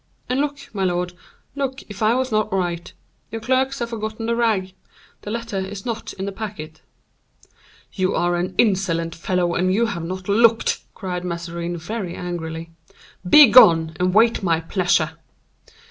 And look, my lord, look if I was not right. Your clerks have forgotten the rag; the letter is not in the packet." "You are an insolent fellow, and you have not looked," cried Mazarin, very angrily; "begone and wait my pleasure."